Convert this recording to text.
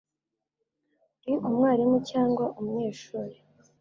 Uri umwarimu cyangwa umunyeshuri?